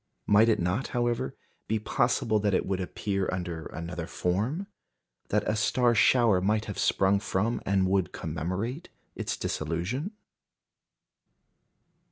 Might it not, however, be possible that it would appear under another form that a star shower might have sprung from and would commemorate its dissolution?